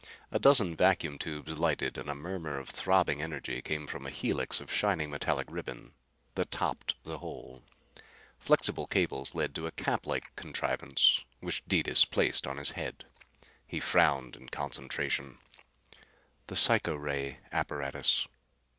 A dozen vacuum tubes lighted, and a murmur of throbbing energy came from a helix of shining metallic ribbon that topped the whole. Flexible cables led to a cap like contrivance which Detis placed on his head. He frowned in concentration. "The psycho ray apparatus."